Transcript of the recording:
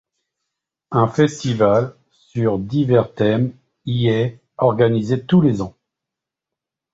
Un festival sur divers thèmes y est organisé tous les ans.